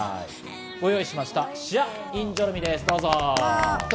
ご用意しました、シアッインジョルミです。